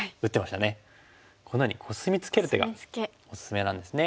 このようにコスミツケる手がおすすめなんですね。